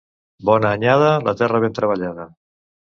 Bona anyada, la terra ben treballada.